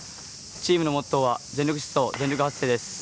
チームのモットーは全力疾走、全力発声です。